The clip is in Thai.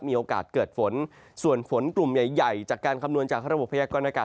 จะมีโอกาสเกิดฝนฝนกลุ่มใหญ่จากการคำนวณจากระบบพระยะความอากาศ